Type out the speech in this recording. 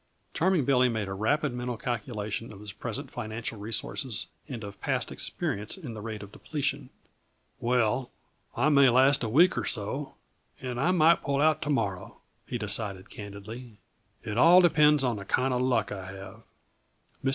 Charming Billy made a rapid mental calculation of his present financial resources and of past experience in the rate of depletion. "Well. I may last a week or so, and I might pull out to morrow," he decided candidly. "It all depends on the kinda luck I have." Mr.